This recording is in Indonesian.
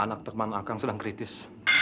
anak teman akang sedang kritis